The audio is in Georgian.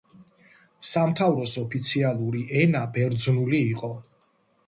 სამთავროს ოფიციალური ენა ბერძნული იყო.